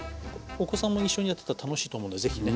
お子さんも一緒にやってたら楽しいと思うので是非ね。